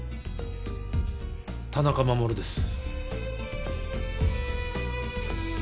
田中守です。